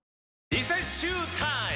リセッシュータイム！